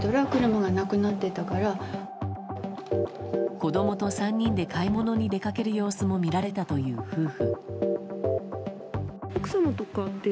子供と３人で買い物に出かける様子も見られたという夫婦。